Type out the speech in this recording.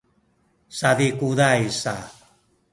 sazikuzay sa